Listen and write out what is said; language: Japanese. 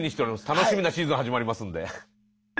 楽しみなシーズン始まりますんで。